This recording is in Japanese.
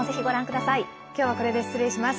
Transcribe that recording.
今日は、これで失礼します。